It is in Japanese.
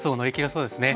そうですね。